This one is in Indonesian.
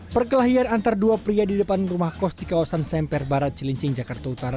perkelahian antara dua pria di depan rumah kos di kawasan semper barat cilincing jakarta utara